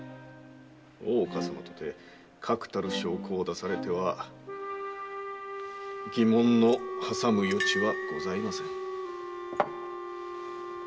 大岡様とて確たる証拠を出されては疑問の挟む余地はございません。